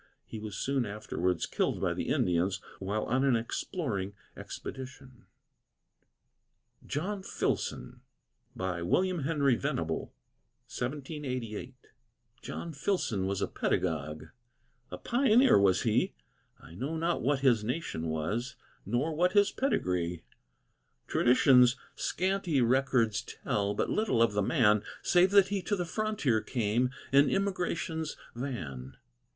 He was soon afterwards killed by the Indians while on an exploring expedition. JOHN FILSON John Filson was a pedagogue A pioneer was he; I know not what his nation was, Nor what his pedigree. Tradition's scanty records tell But little of the man, Save that he to the frontier came In immigration's van.